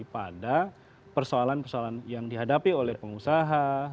pada persoalan persoalan yang dihadapi oleh pengusaha